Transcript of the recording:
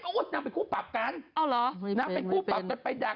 คุณนายม้าก็เลยก็กกระแสลีน่าจาง